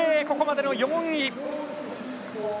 ここまでの４位。